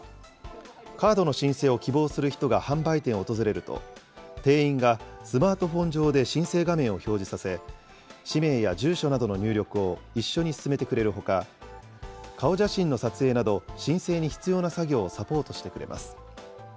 カードの申請を希望する人が販売店を訪れると、店員がスマートフォン上で申請画面を表示させ、氏名や住所などの入力を一緒に進めてくれるほか、顔写真の撮影など、申請に必要な作業をサポートしてくれます。